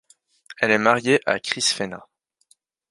Elle est mariée à Chris Fenna.